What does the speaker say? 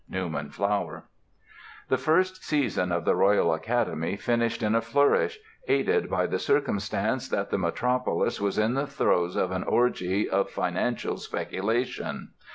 (Newman Flower) The first season of the Royal Academy finished in a flourish, aided by the circumstance that the metropolis was in the throes of an orgy of financial speculation.